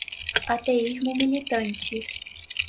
ateísmo militante